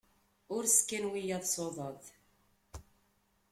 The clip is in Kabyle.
Ur sskan wiyaḍ s uḍaḍ.